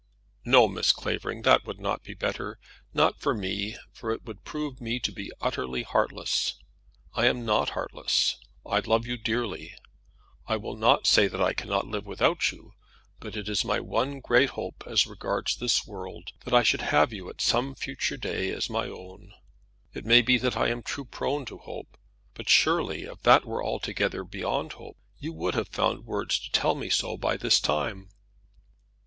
"No, Miss Clavering; that would not be better, not for me; for it would prove me to be utterly heartless. I am not heartless. I love you dearly. I will not say that I cannot live without you; but it is my one great hope as regards this world, that I should have you at some future day as my own. It may be that I am too prone to hope; but surely, if that were altogether beyond hope, you would have found words to tell me so by this time."